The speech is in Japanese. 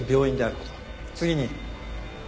次に。